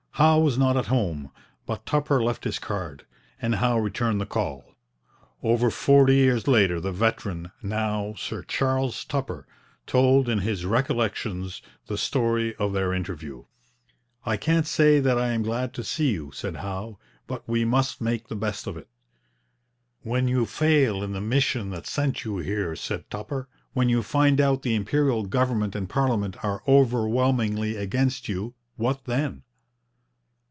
Howe was not at home, but Tupper left his card, and Howe returned the call. Over forty years later the veteran, now Sir Charles Tupper, told in his Recollections the story of their interview. 'I can't say that I am glad to see you,' said Howe, 'but we must make the best of it.' 'When you fail in the mission that brought you here,' said Tupper; 'when you find out the Imperial government and parliament are overwhelmingly against you what then?'